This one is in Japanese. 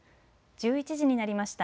１１時になりました。